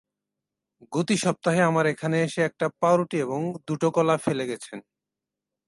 গতি সপ্তাহে আমার এখানে এসে একটা পাউরুটি এবং দুটো কলা ফেলে গেছেন।